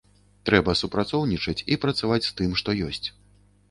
Трэба супрацоўнічаць і працаваць з тым, што ёсць.